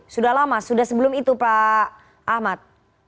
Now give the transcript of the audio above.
sudah lama sudah sebelum itu pak ahmad